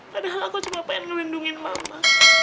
padahal aku cuma pengen ngelindungi mama